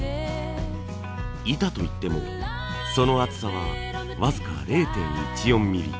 板といってもその厚さは僅か０．１４ミリ。